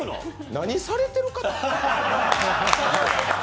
何されてる方？